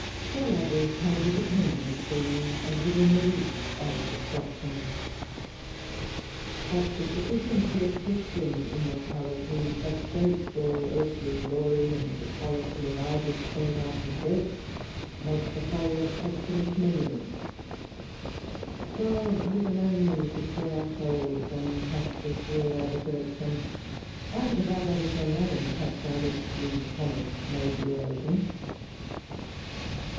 All others have a dependent being, and within the reach of destruction. But the sufficiency of Christian immortality frustrates all earthly glory, and the quality of either state after death makes a folly of posthumous memory. God, who can only destroy our souls, and hath assured our resurrection, either of our bodies or names hath directly promised no duration.